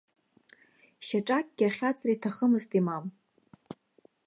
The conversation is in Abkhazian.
Шьаҿакгьы ахьаҵра иҭахымызт имам.